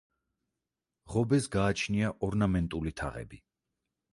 ღობეს გააჩნია ორნამენტული თაღები.